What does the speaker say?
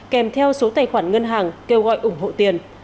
kèm theo số tài khoản ngân hàng kêu gọi ủng hộ tiền